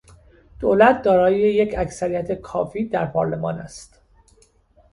دولت دارای یک اکثریت کافی در پارلمان است.